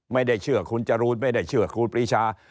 ไม่ได้เชื่อคุณจรูนไม่ได้เชื่อครูปรีชา